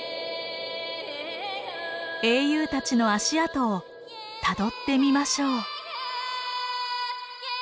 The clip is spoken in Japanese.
英雄たちの足跡をたどってみましょう。